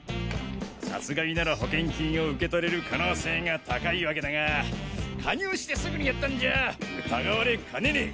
殺害なら保険金を受け取れる可能性が高いわけだが加入してすぐにやったんじゃ疑われかねねぇ。